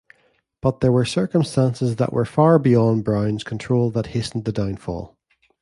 But there were circumstances that were far beyond Brown's control that hastened the downfall.